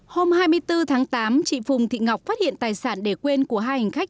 hôm hai mươi bốn tháng tám chị phùng thị ngọc phát hiện tài sản để quên của hai hành khách